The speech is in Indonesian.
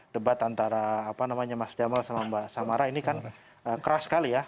debat antara apa namanya mas jamal sama mbak samara ini kan keras sekali ya